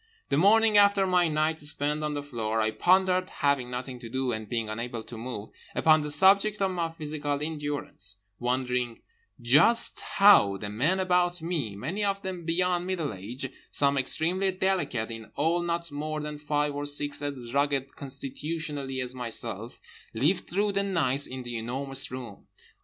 The morning after my night spent on the floor I pondered, having nothing to do and being unable to move, upon the subject of my physical endurance—wondering just how the men about me, many of them beyond middle age, some extremely delicate, in all not more than five or six as rugged constitutionally as myself, lived through the nights in The Enormous Room.